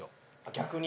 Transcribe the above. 逆に？